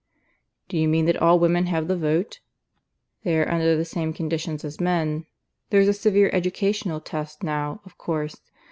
"Do you mean that all women have the vote?" "They are under the same conditions as men. There's a severe educational test now, of course.